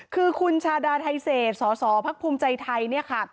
คือคุณชาดาไทเศษสสพักภูมิใจไทยเนี่ยค่ะ